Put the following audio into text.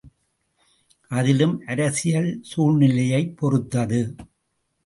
அதிலும் அரசியல் சூழ்நிலையைப் பொறுத்தது.